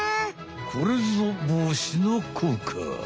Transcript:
これぞぼうしのこうか。